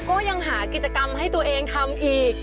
ก็ยังหากิจกรรมให้ตัวเองทำอีก